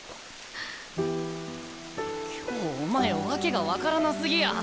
今日はお前訳が分からなすぎや。